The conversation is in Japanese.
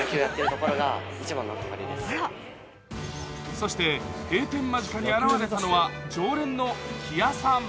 そして閉店間近に現れたのは常連の木屋さん。